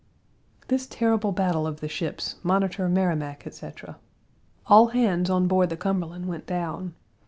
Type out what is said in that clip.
This terrible battle of the ships Monitor, Merrimac, etc. All hands on board the Cumberland went down.